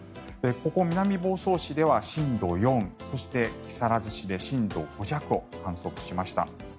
ここ、南房総市では震度４そして木更津市で震度５弱を観測しました。